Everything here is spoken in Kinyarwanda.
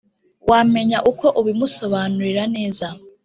wamenya uko ubimusobanurira neza